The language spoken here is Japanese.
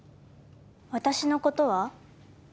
私のことは？